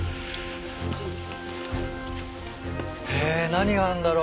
何があるんだろう？